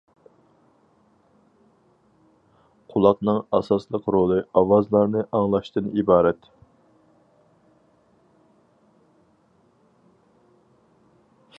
قۇلاقنىڭ ئاساسلىق رولى ئاۋازلارنى ئاڭلاشتىن ئىبارەت.